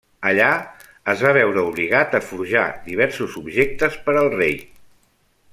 Allà es va veure obligat a forjar diversos objectes per al rei.